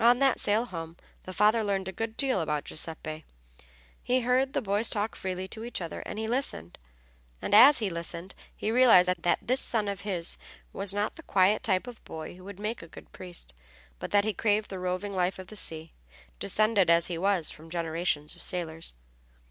On that sail home the father learned a good deal about Giuseppe. He heard the boys talk freely to each other, and as he listened he realized that this son of his was not the quiet type of boy who would make a good priest, but that he craved the roving life of the sea, descended as he was from generations of sailors.